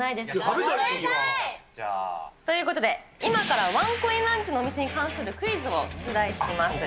食べたい！ということで、今からワンコインランチのお店に関するクイズを出題します。